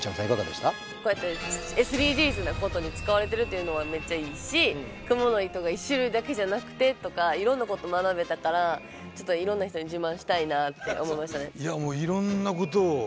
こうやってＳＤＧｓなことに使われてるっていうのはめっちゃいいしクモの糸が１種類だけじゃなくてとかいろんなこと学べたからちょっといろんな人に自慢したいなって思いましたね。